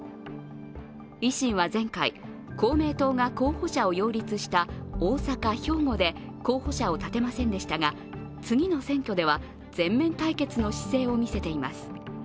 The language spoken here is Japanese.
維新は前回、公明党が候補者を擁立した大阪、兵庫で候補者を立てませんでしたが次の選挙では全面対決の姿勢を見せています。